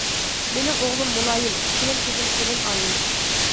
مېنىڭ ئوغلۇم مۇلايىم، كېلىن قىزىم تولۇن ئايىم.